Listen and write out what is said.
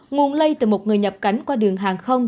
nguồn lây từ một người nhập cảnh qua đường hàng không